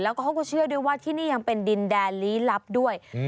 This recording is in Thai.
แล้วก็เขาก็เชื่อด้วยว่าที่นี่ยังเป็นดินแดนลี้ลับด้วย